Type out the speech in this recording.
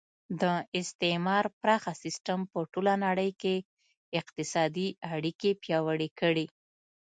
د استعمار پراخه سیسټم په ټوله نړۍ کې اقتصادي اړیکې پیاوړې کړې